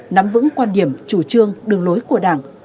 nắm vững quan điểm chủ trương đường lối của đảng